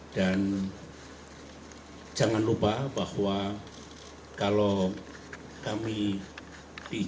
dan jangan lupa bahwa kalau kami diizinkan